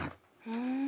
ふん。